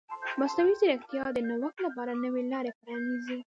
مصنوعي ځیرکتیا د نوښت لپاره نوې لارې پرانیزي.